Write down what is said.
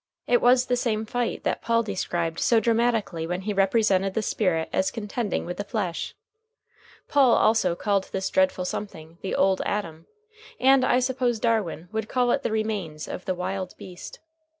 It was the same fight that Paul described so dramatically when he represented the Spirit as contending with the Flesh. Paul also called this dreadful something the Old Adam, and I suppose Darwin would call it the remains of the Wild Beast.